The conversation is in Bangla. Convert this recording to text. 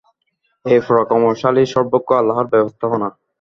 এটা পরাক্রমশালী সর্বজ্ঞ আল্লাহর ব্যবস্থাপনা।